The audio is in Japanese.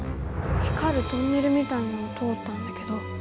光るトンネルみたいなのを通ったんだけど。